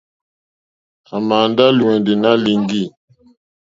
À mà ndá lùwɛ̀ndì nǎ líŋɡì.